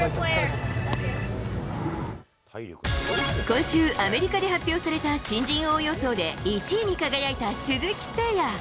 今週、アメリカで発表された新人王予想で１位に輝いた鈴木誠也。